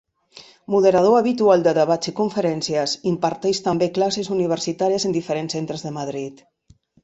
Moderador habitual de debats i conferències, imparteix també classes universitàries en diferents centres de Madrid.